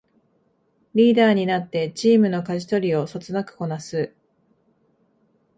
リーダーになってチームのかじ取りをそつなくこなす